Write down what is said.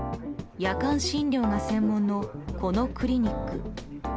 夜間診療が専門のこのクリニック。